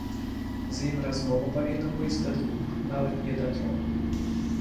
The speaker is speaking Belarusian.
І з імі размова павінна быць да двух, нават не да трох.